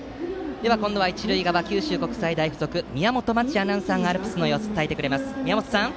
今度は一塁側、九州国際大付属宮本真智アナウンサーがアルプスの様子を伝えてくれます。